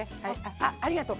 あありがとう。